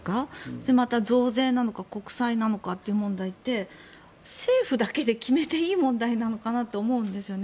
それはまた増税なのか国債なのかという問題って政府だけで決めていい問題なのかなと思うんですよね。